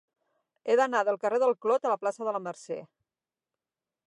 He d'anar del carrer del Clot a la plaça de la Mercè.